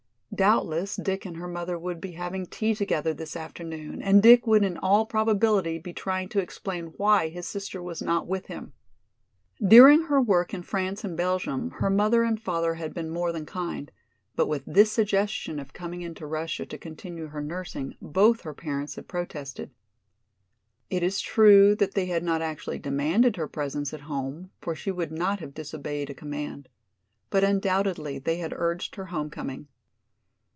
Doubtless Dick and her mother would be having tea together this afternoon and Dick would in all probability be trying to explain why his sister was not with him. During her work in France and Belgium her mother and father had been more than kind, but with this suggestion of coming into Russia to continue her nursing both her parents had protested. It is true that they had not actually demanded her presence at home, for she would not have disobeyed a command. But undoubtedly they had urged her homecoming.